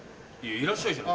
「いらっしゃい」じゃない。